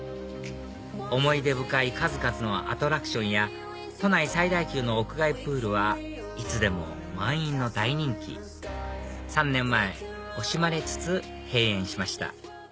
思い出深い数々のアトラクションや都内最大級の屋外プールはいつでも満員の大人気３年前惜しまれつつ閉園しました